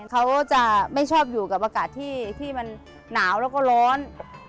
เขาจะไม่ชอบอยู่กับอากาศที่มันหนาวแล้วก็ร้อน